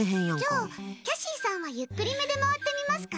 じゃあ、キャシーさんはゆっくりめで回ってみますか？